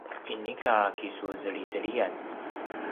inika kisuzelizeliyan